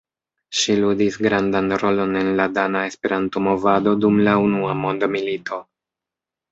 Ŝi ludis grandan rolon en la dana Esperanto-movado dum la unua mondmilito.